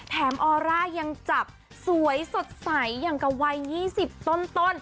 ออร่ายังจับสวยสดใสอย่างกับวัย๒๐ต้น